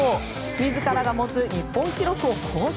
自らが持つ日本記録を更新。